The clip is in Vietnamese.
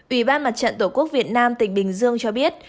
ủy ban mặt trận tổ quốc việt nam tỉnh bình dương cho biết